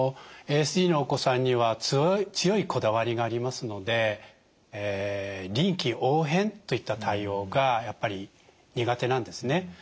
ＡＳＤのお子さんには強いこだわりがありますので臨機応変といった対応がやっぱり苦手なんですね。